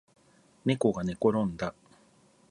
ねこがねころんだ